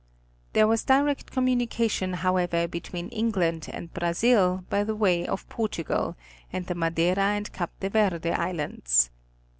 There was direct communica tion however between England and Brazil, by the way of Portu gal, and the Madeira and Cape de Verde Islands.